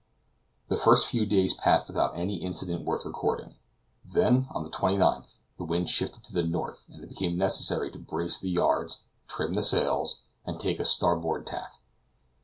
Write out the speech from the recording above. The first few days passed without any incident worth recording, then on the 29th, the wind shifted to the north, and it became necessary to brace the yards, trim the sails, and take a starboard tack.